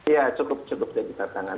ya cukup jadi tantangan